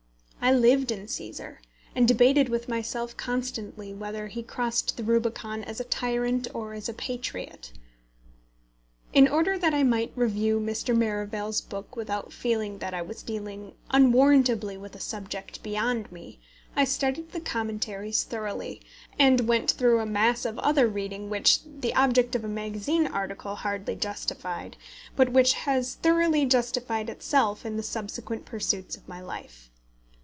I lived in Cæsar, and debated with myself constantly whether he crossed the Rubicon as a tyrant or as a patriot. In order that I might review Mr. Merivale's book without feeling that I was dealing unwarrantably with a subject beyond me, I studied the Commentaries thoroughly, and went through a mass of other reading which the object of a magazine article hardly justified, but which has thoroughly justified itself in the subsequent pursuits of my life.